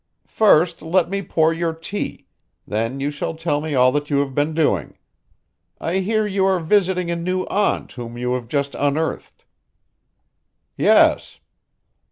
First let me pour your tea. Then you shall tell me all that you have been doing. I hear you are visiting a new aunt whom you have just unearthed." "Yes."